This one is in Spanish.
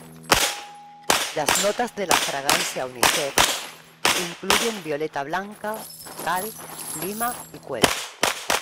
Las notas de la fragancia unisex incluyen violeta blanca, cal, lima y cuero.